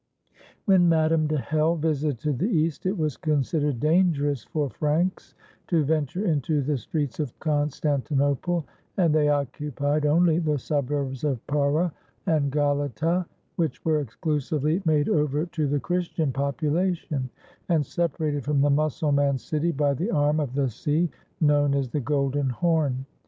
When Madame de Hell visited the East, it was considered dangerous for Franks to venture into the streets of Constantinople, and they occupied only the suburbs of Pera and Galata, which were exclusively made over to the Christian population, and separated from the Mussulman city by the arm of the sea known as the Golden Horn.